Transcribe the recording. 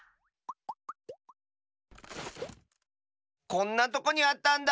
こんなとこにあったんだ。